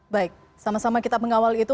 baik sama sama kita mengawal itu